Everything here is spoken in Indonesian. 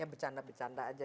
ya bercanda bercanda aja